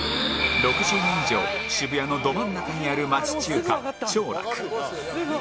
６０年以上渋谷のど真ん中にある町中華兆楽